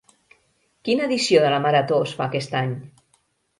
Quina edició de la Marató es fa aquest any?